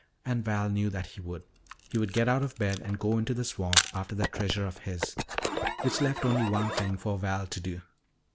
And Val knew that he would. He would get out of bed and go into the swamp after that treasure of his. Which left only one thing for Val to do.